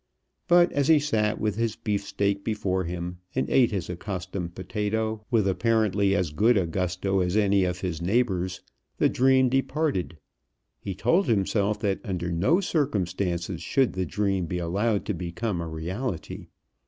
But as he sat with his beef steak before him, and ate his accustomed potato, with apparently as good a gusto as any of his neighbours, the dream departed. He told himself that under no circumstances should the dream be allowed to become a reality.